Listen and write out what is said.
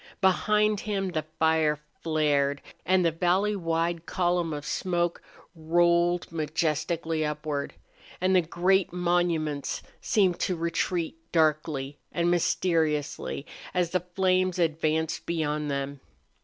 Behind him the fire flared and the valley wide column of smoke rolled majestically upward, and the great monuments seemed to retreat darkly and mysteriously as the flames advanced beyond them.